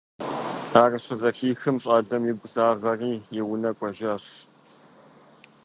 Ар щызэхихым, щӏалэм игу загъэри, и унэ кӀуэжащ.